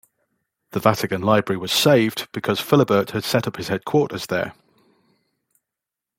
The Vatican Library was saved because Philibert had set up his headquarters there.